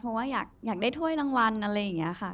เพราะว่าอยากได้ถ้วยรางวัลอะไรอย่างนี้ค่ะ